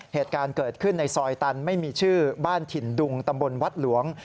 เหตุการณ์เกิดขึ้นในซอยตันไม่มีชื่อบ้านถิ่นดุงตำบลวัดหลวง